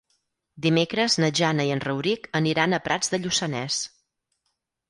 Dimecres na Jana i en Rauric aniran a Prats de Lluçanès.